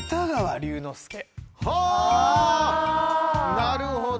なるほど。